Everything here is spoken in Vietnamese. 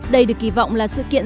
đây được kỳ vọng là sự kiện